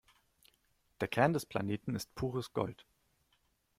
Der Kern des Planeten ist pures Gold.